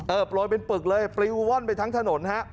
โปรยเป็นปึกเลยปลิวว่อนไปทั้งถนนฮะ